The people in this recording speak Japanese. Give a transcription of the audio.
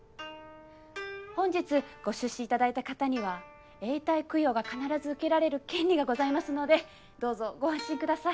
本日ご出資いただいた方には永代供養が必ず受けられる権利がございますのでどうぞご安心ください。